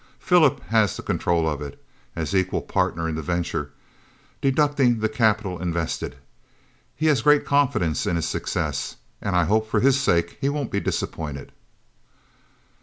Philip has the control of it, as equal partner in the venture, deducting the capital invested. He has great confidence in his success, and I hope for his sake he won't be disappointed."